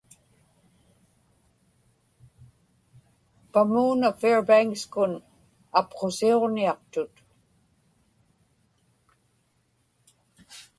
paŋmuuna Fairbanks-kun apqusiuġniaqtut